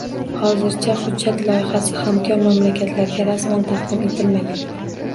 Hozircha hujjat loyihasi hamkor mamlakatlarga rasman taqdim etilmagan.